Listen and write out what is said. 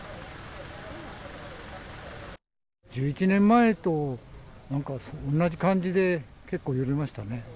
１１年前と同じ感じで結構揺れましたね。